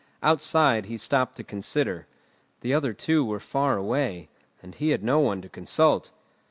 Outside, he stopped to consider. The other two were far away, and he had no one to consult.